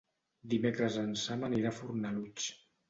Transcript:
Dimecres en Sam anirà a Fornalutx.